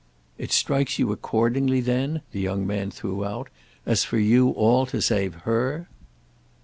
"It strikes you accordingly then," the young man threw out, "as for you all to save _her?